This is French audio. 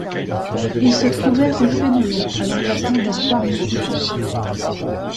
Il se trouvait rue Fénelon à l'emplacement du square Messier.